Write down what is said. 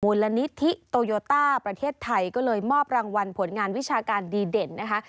ละนิธิโตโยต้าประเทศไทยก็เลยมอบรางวัลผลงานวิชาการดีเด่นนะคะ